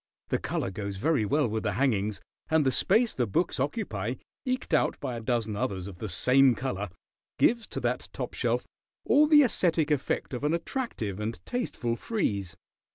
The color goes very well with the hangings, and the space the books occupy, eked out by a dozen others of the same color, gives to that top shelf all the esthetic effect of an attractive and tasteful frieze.